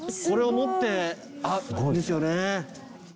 これを持ってですよね。